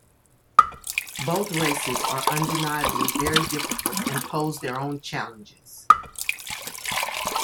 Both races are undeniably very difficult and pose their own challenges.